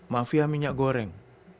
mafia minyak goreng